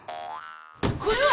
これは！